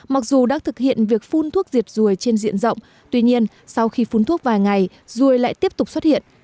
mặc dù đã thực hiện việc phun thuốc diệt ruồi trên diện rộng tuy nhiên sau khi phun thuốc vài ngày ruồi lại tiếp tục xuất hiện